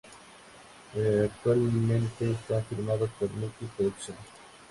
El actualmente está firmado con "Miki Productions".